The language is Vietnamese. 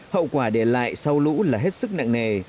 hậu quả để lại sau lũ là hết sức nặng nề